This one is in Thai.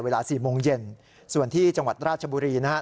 เวลา๔โมงเย็นส่วนที่จังหวัดราชบุรีนะฮะ